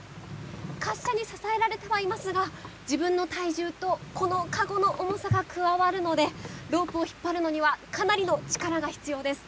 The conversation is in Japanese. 滑車に支えられてはいますが自分の体重とこの籠の重さが加わるのでロープを引っ張るのにはかなりの力が必要です。